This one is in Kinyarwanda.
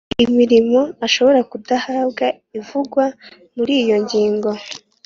imirimo ashobora kudahabwa ibivugwa mu iyo ngingo